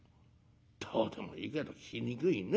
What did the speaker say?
「どうでもいいけど聞きにくいね。